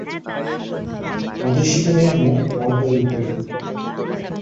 মধসূদনের মুখ লাল হয়ে উঠল।